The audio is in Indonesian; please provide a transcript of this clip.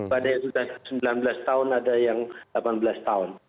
pada yang sudah sembilan belas tahun ada yang delapan belas tahun